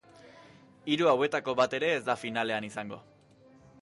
Hiru hauetako bat ere ez da finalean izango.